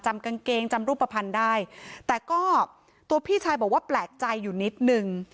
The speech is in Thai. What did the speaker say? กางเกงจำรูปภัณฑ์ได้แต่ก็ตัวพี่ชายบอกว่าแปลกใจอยู่นิดนึง